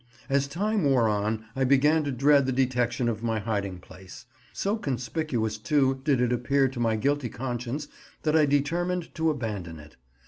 As time wore on, I began to dread the detection of my hiding place; so conspicuous, too, did it appear to my guilty conscience that I determined to abandon it.